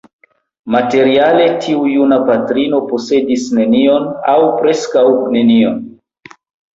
Materiale tiu juna patrino posedis nenion, aŭ preskaŭ nenion.